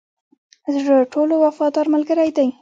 زړه ټولو وفادار ملګری دی.